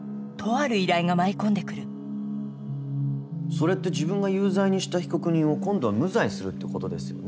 それって自分が有罪にした被告人を今度は無罪にするってことですよね？